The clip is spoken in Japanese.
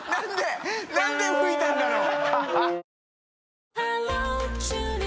なんで吹いたんだろう？